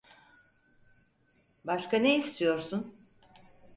Başka ne istiyorsun?